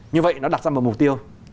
như vậy nó đặt ra một mục tiêu